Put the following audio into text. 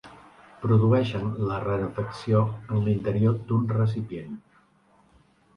Produeixen la rarefacció en l'interior d'un recipient.